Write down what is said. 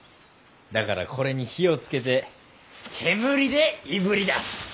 だからこれに火をつけて煙でいぶり出す。